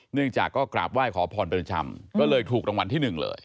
เนื่องจากก็กราบไหว้ขอพรเป็นประจำก็เลยถูกรางวัลที่หนึ่งเลย